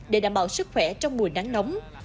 để đảm bảo sức khỏe trong mùa nắng nóng